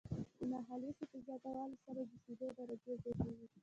د ناخالصې په زیاتولو سره جوشیدو درجه زیاتیږي.